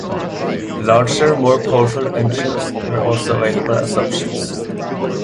Larger, more powerful engines were also available as options.